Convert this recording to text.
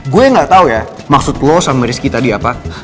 gue gak tau ya maksud lo sama rizky tadi apa